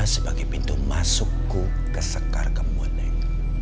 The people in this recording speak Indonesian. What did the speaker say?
sebagai pintu masukku ke sekar kemuneng